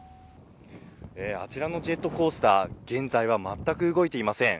あちらのジェットコースター、現在は全く動いていません。